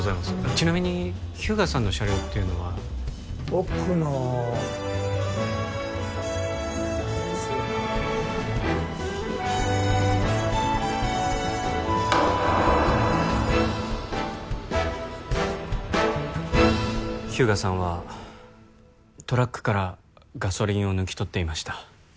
ちなみに日向さんの車両っていうのは奥の日向さんはトラックからガソリンを抜き取っていました